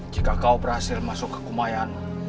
jika kau berhasil masuk ke kumayan